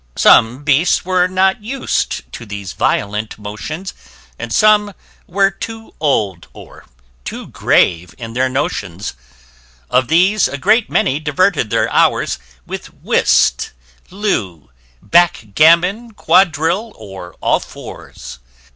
Some beasts were not us'd to these violent motions, And some were too old or too grave in their notions; Of these a great many diverted their hours With whist, lue, backgammon, quadrille or all fours.